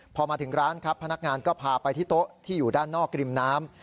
พอมาถึงร้านครับพนักงานก็พาไปที่โต๊ะที่อยู่ด้านนอกริมน้ำ